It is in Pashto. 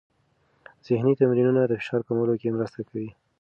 ذهني تمرینونه د فشار کمولو کې مرسته کوي.